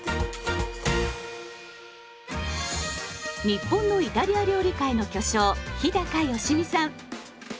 日本のイタリア料理界の巨匠日良実さん。